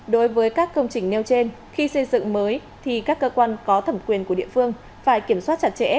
đối với các công trình nêu trên khi xây dựng mới thì các cơ quan có thẩm quyền của địa phương phải kiểm soát chặt chẽ